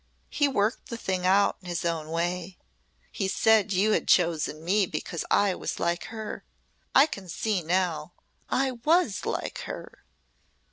He worked the thing out in his own way. He said you had chosen me because I was like her. I can see now! I was like her!"